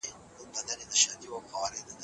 ایا د چا چلند ته رښتیا ځورېدلې؟